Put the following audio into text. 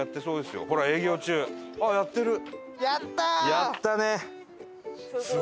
やったね。